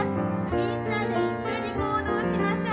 みんなで一緒に行動しましょう。